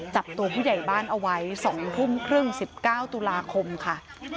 จับตัวผู้ใหญ่บ้านเอาไว้๒ทุ่มครึ่ง๑๙ตุลาคมค่ะ